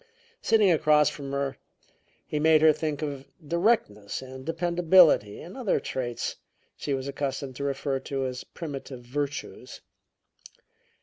Sitting across from her, he made her think of directness and dependability and other traits she was accustomed to refer to as "primitive virtues."